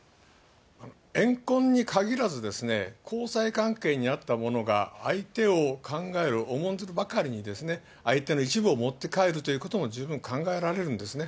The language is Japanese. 怨恨にかぎらず、交際関係にあった者が、相手を考える、おもんじるばかりに相手の一部を持って帰るということも、十分考えられるんですね。